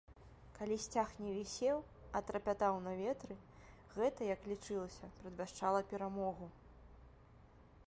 Калі сцяг не вісеў, а трапятаў на ветры, гэта, як лічылася, прадвяшчала перамогу.